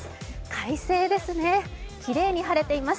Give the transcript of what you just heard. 快晴ですね、きれいに晴れています